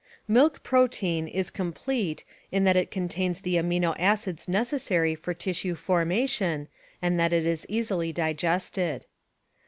Milk protein is complete in that it contains the amino acids neces sary for tissue formation, and that it is easily digested.